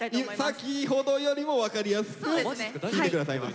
先ほどよりも分かりやすく弾いて下さいます。